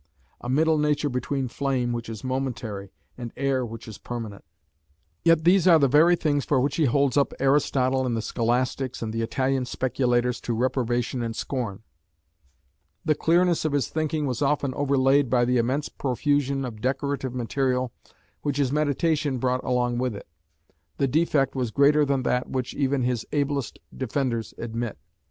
"a middle nature between flame, which is momentary, and air which is permanent." Yet these are the very things for which he holds up Aristotle and the Scholastics and the Italian speculators to reprobation and scorn. The clearness of his thinking was often overlaid by the immense profusion of decorative material which his meditation brought along with it. The defect was greater than that which even his ablest defenders admit.